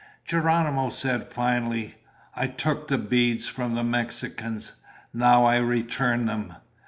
Geronimo said finally, "I took the beads from the Mexicans. Now I return them.